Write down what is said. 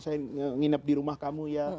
saya nginap dirumah kamu ya